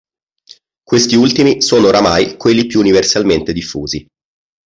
Questi ultimi sono oramai quelli più universalmente diffusi.